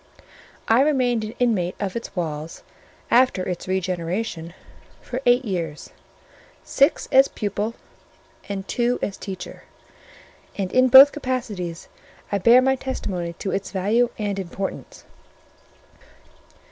I remained an inmate of its walls, after its regeneration, for eight years: six as pupil, and two as teacher; and in both capacities I bear my testimony to its value and importance.